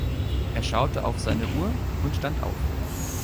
Er schaute auf seine Uhr und stand auf.